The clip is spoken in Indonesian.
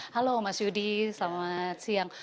halo mas yudi selamat siang